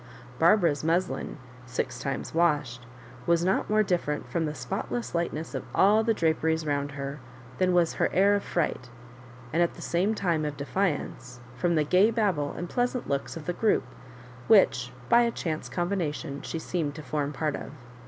Barbara's muslin, six times washed, was not more different from the spotless lightness of all the draperies round her, than was her aur of fright, and at the sflme time of defiance, from the gay babble and pleasant looks of the group which, by a chance combina tion, she seemed to form part of.